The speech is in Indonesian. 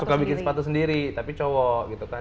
suka bikin sepatu sendiri tapi cowok gitu kan